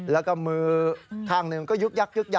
แล้วก็มือข้างหนึ่งก็ยึก